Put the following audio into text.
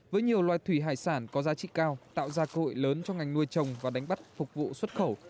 với nhiều loài thủy hải sản có giá trị cao tạo ra cơ hội lớn cho ngành nuôi trồng và đánh bắt phục vụ xuất khẩu